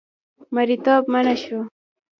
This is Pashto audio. مریتوب منع شو.